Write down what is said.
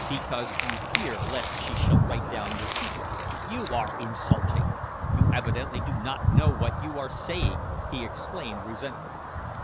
"Because you fear lest she shall write down your secret." "You are insulting! You evidently do not know what you are saying," he exclaimed resentfully.